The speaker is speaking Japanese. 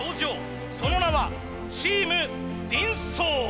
その名はチームＤンソー。